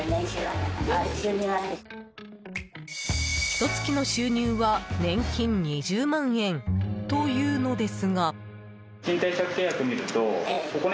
ひと月の収入は年金２０万円というのですが。